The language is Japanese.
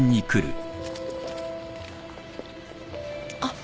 あっ。